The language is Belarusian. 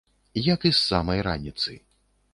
Як і з самай раніцы.